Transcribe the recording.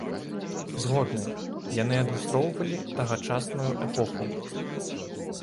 Згодны, яны адлюстроўвалі тагачасную эпоху.